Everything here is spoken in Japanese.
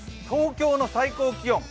東京の最高気温